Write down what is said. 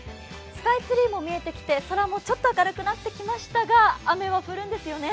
スカイツリーも見えてきて空もちょっと明るくなってきましたが、雨は降るんですよね？